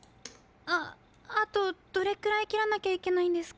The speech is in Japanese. あっあとどれくらいきらなきゃいけないんですか？